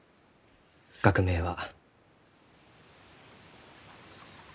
学名は。